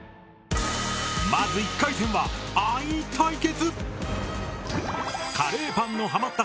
まず１回戦は「愛対決」！